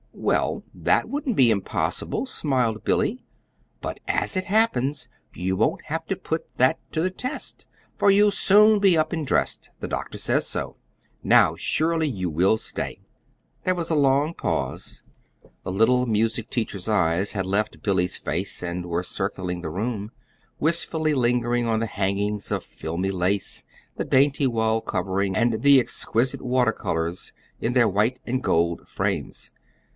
"Well, THAT wouldn't be impossible," smiled Billy; "but, as it happens you won't have to put that to the test, for you'll soon be up and dressed. The doctor says so. Now surely you will stay." There was a long pause. The little music teacher's eyes had left Billy's face and were circling the room, wistfully lingering on the hangings of filmy lace, the dainty wall covering, and the exquisite water colors in their white and gold frames.